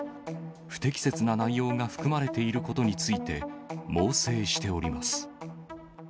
不適切な内容が含まれていることについて、猛省しております。